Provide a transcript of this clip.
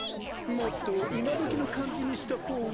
もっといまどきのかんじにしたほうが。